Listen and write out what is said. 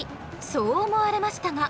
そう思われましたが。